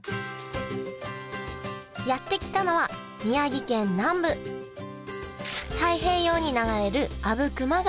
やって来たのは宮城県南部太平洋に流れる阿武隈川